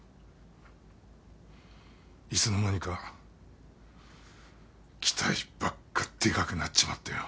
いつの間にか期待ばっかでかくなっちまってよ。